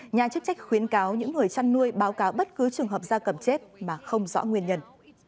nhà chức trách khuyến cáo những người chăn nuôi báo cáo bất cứ trường hợp da cầm chết mà không rõ nguyên nhân